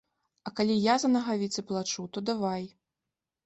А калі я за нагавіцы плачу, то давай.